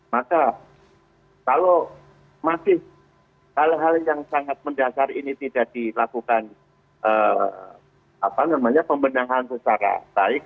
maka kalau masih hal hal yang sangat mendasar ini tidak dilakukan pembenahan secara baik